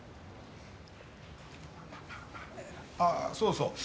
ああそうそう。